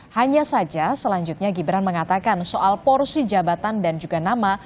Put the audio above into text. hanya saja selanjutnya gibran mengatakan soal porsi jabatan dan juga nama